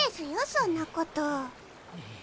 そんなこと。